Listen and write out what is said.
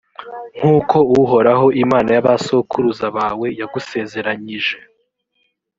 nk’uko uhoraho imana y’abasokuruza bawe yagusezeranyije.